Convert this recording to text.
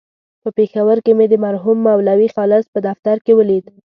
په پېښور کې مې د مرحوم مولوي خالص په دفتر کې ولید.